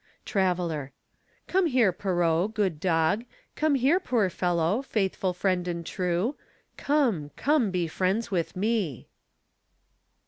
Traveler. Come here, Pierrot, good dog, Come here, poor fellow, faithful friend and true, Come, come, be friends with me.